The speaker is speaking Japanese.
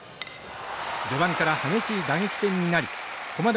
序盤から激しい打撃戦になり駒大